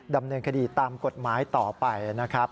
ดำเนินคดีตามกฎหมายต่อไปนะครับ